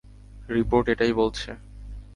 Report এটাই বলছে।